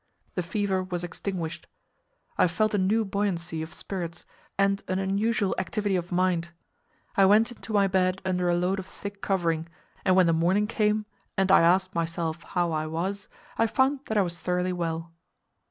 The fever was extinguished. I felt a new buoyancy of spirits, and an unusual activity of mind. I went into my bed under a load of thick covering, and when the morning came, and I asked myself how I was, I found that I was thoroughly well.